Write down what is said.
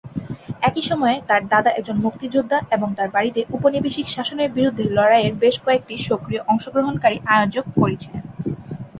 একই সময়ে, তার দাদা একজন মুক্তিযোদ্ধা এবং তাঁর বাড়িতে উপনিবেশিক শাসনের বিরুদ্ধে লড়াইয়ের বেশ কয়েকটি সক্রিয় অংশগ্রহণকারী আয়োজক করেছিলেন।